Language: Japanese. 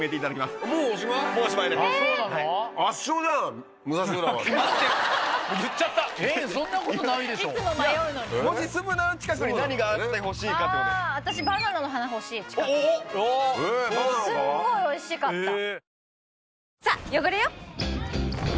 すんごい美味しかった。